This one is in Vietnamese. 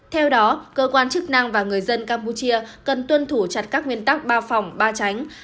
theo đó cơ quan chức năng và người dân campuchia cần tuân thủ chặt các nguyên tắc ba phòng ba tránh